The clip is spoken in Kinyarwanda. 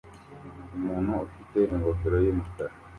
Umuntu ufite ingofero yumukara